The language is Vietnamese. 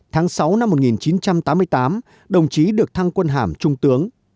tháng sáu năm một nghìn chín trăm tám mươi tám đồng chí được thăng quân hàm trung tướng